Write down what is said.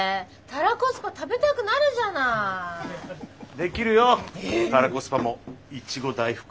できるよたらこスパもいちご大福も。